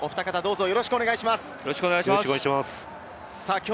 よろしくお願いします。